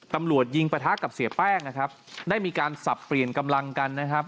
ตำรวจยิงปะทะกับเสียแป้งนะครับได้มีการสับเปลี่ยนกำลังกันนะครับ